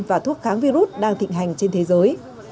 và thuốc kháng virus đang thịnh hành trên thế giới